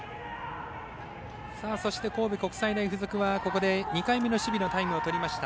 そして、神戸国際大付属はここで２回目の守備のタイムをとりました。